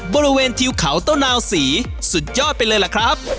บริเวณฮิวค๋าเต้านาล๔สุดยอดไปเลยแหละครับ